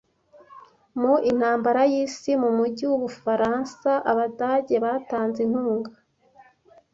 Mu intambara y'isi mu mujyi w’Ubufaransa Abadage batanze inkunga